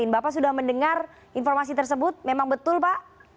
bapak sudah mendengar informasi tersebut memang betul pak